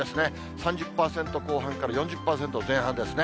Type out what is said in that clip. ３０％後半から４０％前半ですね。